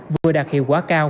vừa đạt hiệu quả cao